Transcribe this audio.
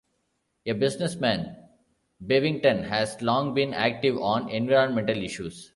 A businessman, Bevington has long been active on environmental issues.